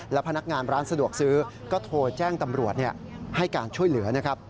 พนักงานร้านสะดวกซื้อก็โทรแจ้งตำรวจให้การช่วยเหลือนะครับ